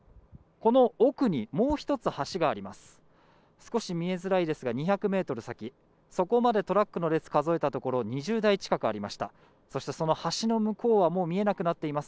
この奥に、もう１つ、橋があります。